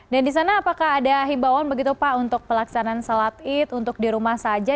dan di sana apakah ada himbawan begitu pak untuk pelaksanaan salat id untuk di rumah saja